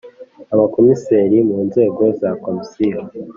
abakomiseri mu nzego za Komisiyo